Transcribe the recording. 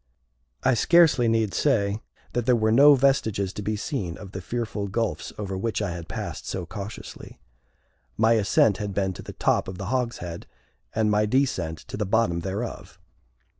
I scarcely need say that there were no vestiges to be seen of the fearful gulfs over which I had passed so cautiously. My ascent had been to the top of the hogshead, and my descent to the bottom thereof.